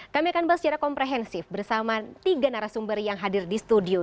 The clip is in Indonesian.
kami akan bahas secara komprehensif bersama tiga narasumber yang hadir di studio